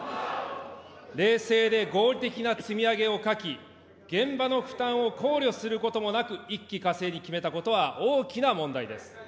冷静で合理的な積み上げを欠き、現場の負担を考慮することもなく、一気呵成に決めたことは大きな問題です。